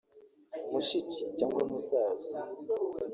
mushiki cyangwa musaza